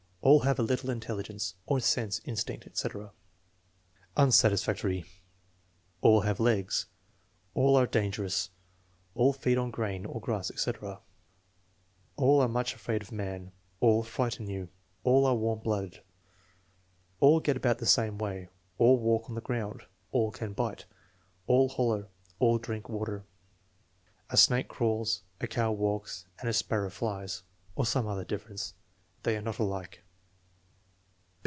"All have a little intelligence" (or sense, instinct, etc.). Unsatisfactory. "All have legs." "All are dangerous." "All feed on grain'* (or grass, etc.). "All are much afraid of man." "All frighten you." "All are warm blooded." "All get about the same way." "All walk on the ground." "AH can bite." "All holler." "All drink water." "A snake crawls, a cow walks, and a sparrow flies" (or some other difference). "They are not alike."